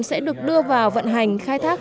sẽ được đưa vào vận hành khai thác